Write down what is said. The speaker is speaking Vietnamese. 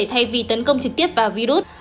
thay vì tấn công trực tiếp vào virus